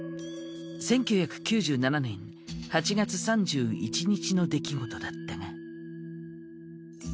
１９９７年８月３１日の出来事だったが。